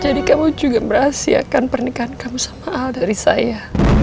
jadi kamu juga berahasiakan pernikahan kamu sama al dari saya